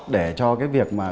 để cho cái việc mà